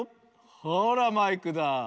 ほらマイクだ！